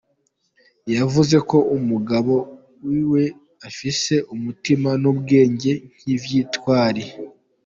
Yavuze ko umugabo wiwe afise “umutima n’ubwenge nk’ivyintwari”.